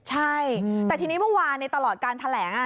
ใช่แต่ทีนี้เมื่อวานในตลอดการแถลง